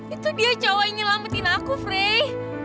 itu dia cowok yang nyelametin aku frey